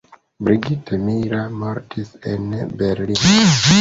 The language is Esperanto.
Brigitte Mira mortis en Berlino.